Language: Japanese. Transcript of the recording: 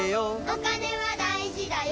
お金は大事だよ